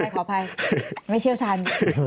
ขออภัยไม่เชี่ยวชาญ